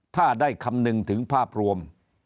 ถ้าได้คำนึงถึงภาพรวม